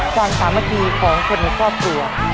สามสามัคคีของคนในครอบครัว